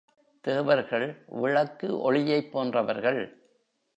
தேவர்கள் விளக்கு ஒளியைப் போன்றவர்கள்.